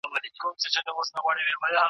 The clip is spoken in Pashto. خور او لور په میراث کې حق لري.